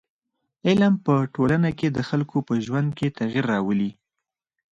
علم په ټولنه کي د خلکو په ژوند کي تغیر راولي.